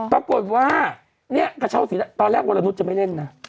ปรากฏว่าเนี่ยกระเช้าสีตอนแรกวรนุษย์จะไม่เล่นนะ